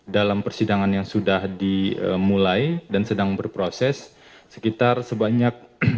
dalam persidangan yang sudah dimulai dan sedang berproses sekitar sebanyak rp lima miliar rupiah